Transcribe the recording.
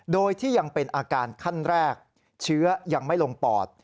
โดยที่ยังเป็นอาการขั้นแรกเชื้อยังไม่ลงปอด